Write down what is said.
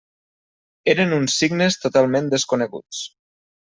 Eren uns signes totalment desconeguts.